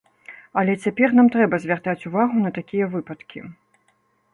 Але цяпер нам трэба звяртаць увагу на такія выпадкі.